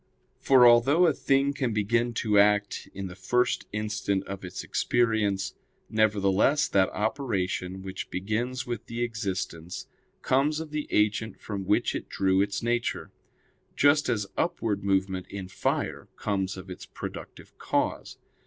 For although a thing can begin to act in the first instant of its existence, nevertheless, that operation which begins with the existence comes of the agent from which it drew its nature; just as upward movement in fire comes of its productive cause.